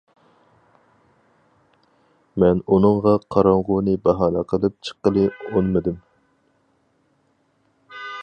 مەن ئۇنىڭغا قاراڭغۇنى باھانە قىلىپ چىققىلى ئۇنىمىدىم.